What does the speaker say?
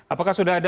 apakah sudah ada